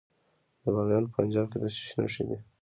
د بامیان په پنجاب کې د څه شي نښې دي؟